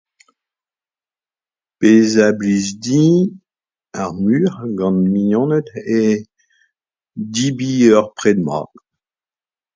Pezh a blij din ar muioc'h gant mignoned eo debriñ ur pred mat